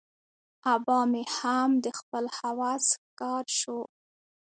آبا مې هم د خپل هوس ښکار شو.